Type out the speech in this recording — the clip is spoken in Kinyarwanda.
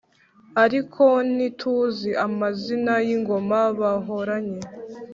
ariko ntituzi amazina y’ingoma bahoranye